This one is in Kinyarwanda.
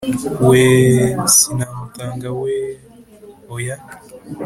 weee! Sinamutangaa we! Oya”!